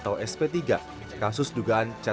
berita terkini mengenai masalah kepulangan beliau